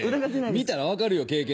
見たら分かるよ経験